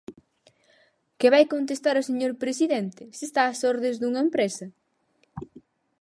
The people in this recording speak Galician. Que vai contestar o señor presidente, se está ás ordes dunha empresa!